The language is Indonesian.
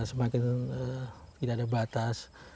semakin tidak ada batas